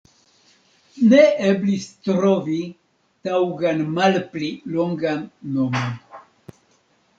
Ne eblis trovi taŭgan malpli longan nomon.